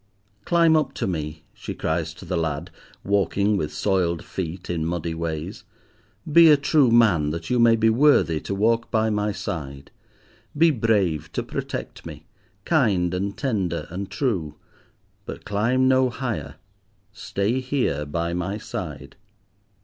"Climb up to me," she cries to the lad, walking with soiled feet in muddy ways; "be a true man that you may be worthy to walk by my side; be brave to protect me, kind and tender, and true; but climb no higher, stay here by my side."